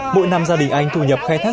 mỗi năm gia đình anh thu nhập khai thác